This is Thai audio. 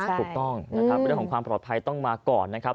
ถูกต้องวิธีของความปลอดภัยต้องมาก่อนนะครับ